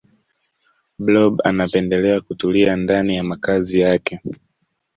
blob anapendelea kutulia ndani ya makazi yake